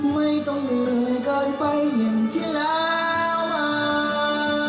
ไม่ต้องเหนื่อยเกินไปอย่างที่แล้ว